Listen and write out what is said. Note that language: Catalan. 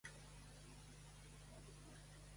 Cerca una imatge de Darker than black.